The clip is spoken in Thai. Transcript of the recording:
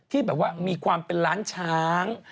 ที่แบบว่ามีความเป็นล้านช้าง